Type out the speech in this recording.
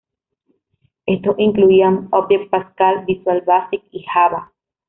Estos incluían Object Pascal, Visual Basic y Java.